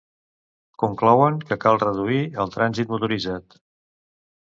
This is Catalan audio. Conclouen que cal reduir el trànsit motoritzat.